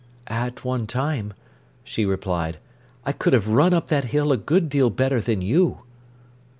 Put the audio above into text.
"At one time," she replied, "I could have run up that hill a good deal better than you."